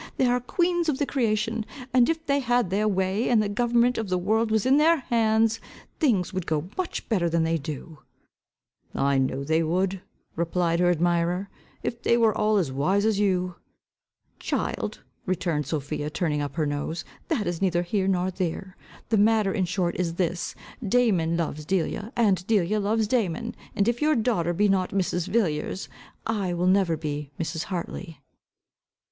They are queens of the creation, and if they had their way, and the government of the world was in their hands, things would go much better than they do." "I know they would," replied her admirer, "if they were all as wise as you." "Child," returned Sophia, turning up her nose, "that is neither here nor there. The matter in short is this. Damon loves Delia, and Delia loves Damon. And if your daughter be not Mrs. Villiers, I will never be Mrs. Hartley."